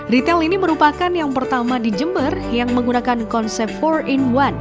retail ini merupakan yang pertama di jember yang menggunakan konsep empat in satu